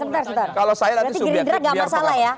nanti gerindra gak masalah ya